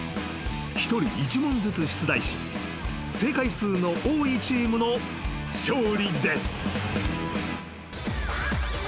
［一人一問ずつ出題し正解数の多いチームの勝利です］